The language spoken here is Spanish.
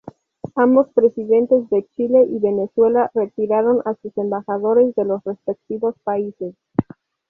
Ambos presidentes de Chile y Venezuela, retiraron a sus embajadores de los respectivos países.